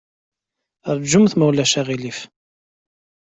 Ṛjumt, ma ulac aɣilif.